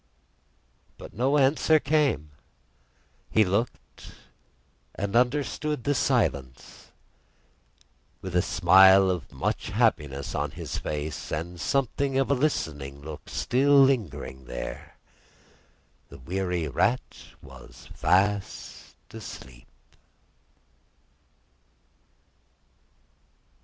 But no answer came. He looked, and understood the silence. With a smile of much happiness on his face, and something of a listening look still lingering there, the weary Rat was fast asleep.